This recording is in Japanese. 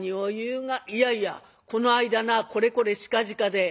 「いやいやこの間なこれこれしかじかで」。